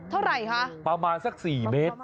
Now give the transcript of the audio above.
เท่าไหร่คะประมาณสัก๔เมตร